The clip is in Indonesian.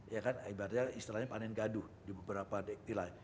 ya kan ibaratnya istilahnya panen gaduh di beberapa wilayah